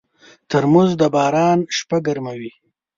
ترموز د باران شپه ګرموي.